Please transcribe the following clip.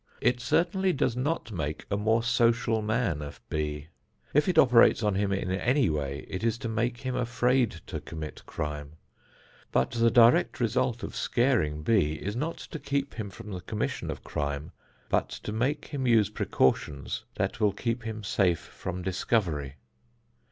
It certainly does not make a more social man of B. If it operates on him in any way it is to make him afraid to commit crime; but the direct result of scaring B is not to keep him from the commission of crime, but to make him use precautions that will keep him safe from discovery.